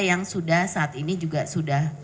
yang sudah saat ini juga sudah